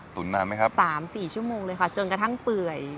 นานไหมครับ๓๔ชั่วโมงเลยค่ะจนกระทั่งเปื่อย